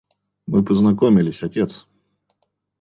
Мы познакомились, отец!